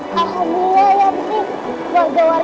serius emang kayak fazeman gue